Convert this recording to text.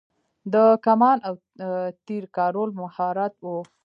د کمان او تیر کارول مهارت و